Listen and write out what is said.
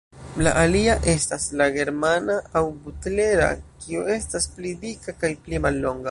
La alia estas la "Germana" aŭ "Butler"-a, kiu estas pli dika kaj pli mallonga.